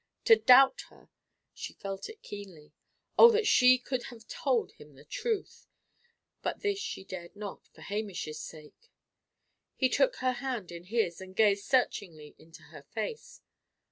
To doubt her! She felt it keenly, Oh, that she could have told him the truth! But this she dare not, for Hamish's sake. He took her hand in his, and gazed searchingly into her face.